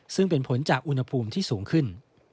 ซึ่งเป็นผลจากอุณหภูมิที่สูงขึ้น